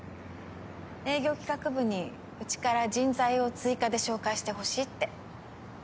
営業企画部にうちから人材を追加で紹介してほしいって。